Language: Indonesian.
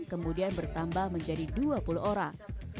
kemudian bertambah menjadi dua puluh orang